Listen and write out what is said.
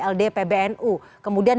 ld pbnu kemudian